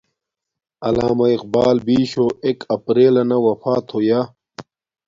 علامہ اقبال بیشو ایک اپریل لنا وفات ہویا